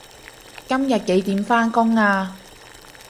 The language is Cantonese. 今日幾點返工啊